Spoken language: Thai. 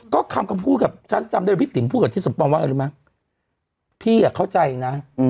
ก็คำคำพูดกับฉันจำได้พี่ติ๋มพูดกับทิศสมปองว่าอะไรรู้ไหมพี่อ่ะเข้าใจนะ